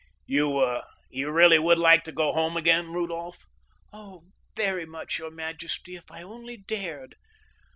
"You would really like to go home again, Rudolph?" "Oh, very much, your majesty, if I only dared."